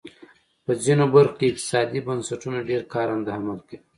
په ځینو برخو کې اقتصادي بنسټونه ډېر کارنده عمل کوي.